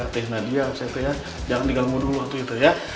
teh nadia jangan diganggu dulu waktu itu ya